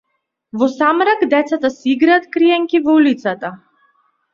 Во самрак децата си играат криенки во улицата.